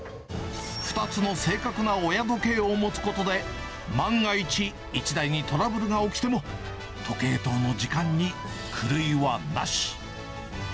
２つの正確な親時計を持つことで、万が一、１台にトラブルが起きても、時計塔の時間に狂いはなし。